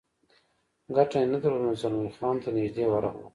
ګټه نه درلوده، نو زلمی خان ته نږدې ورغلم.